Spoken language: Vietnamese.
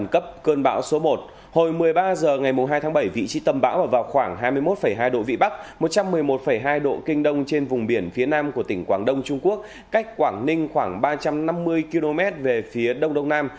cách quảng ninh khoảng ba trăm năm mươi km về phía đông đông nam